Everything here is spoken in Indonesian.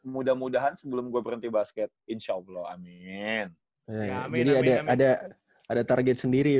mudah mudahan sebelum gue berhenti basket insya allah amin jadi ada ada target sendiri